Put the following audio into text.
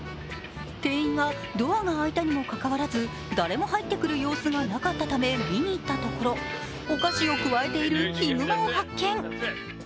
店員がドアが開いたにもかかわらず誰も入ってくる様子がなかったため見に行ったところ、お菓子をくわえているヒグマを発見。